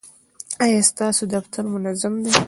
ایا ستاسو دفتر منظم نه دی؟